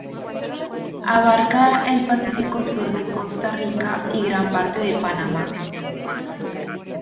Abarca el Pacífico sur de Costa Rica y gran parte de Panamá.